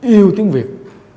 yêu tiếng việt